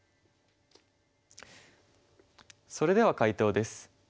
それでは解答です。